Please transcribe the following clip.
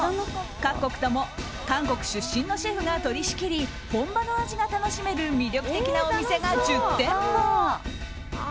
各店舗とも韓国出身のシェフが取り仕切り本場の味が楽しめる魅力的なお店が１０店舗！